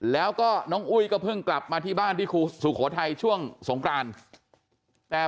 แล้วก็น้องอุ้ยก็เพิ่งกลับมาที่บ้านที่ครูสุโขทัยช่วงสงกรานแต่